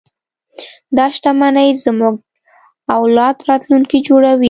دا شتمنۍ زموږ د اولاد راتلونکی جوړوي.